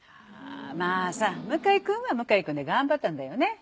まぁさ向井君は向井君で頑張ったんだよね。